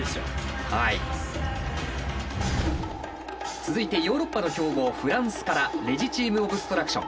続いてヨーロッパの強豪フランスからレジチーム・オブストラクション。